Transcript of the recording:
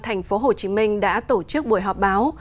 tp hcm đã tổ chức buổi họp báo